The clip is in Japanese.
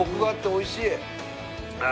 おいしい。